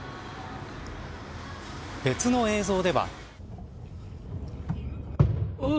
別の映像では。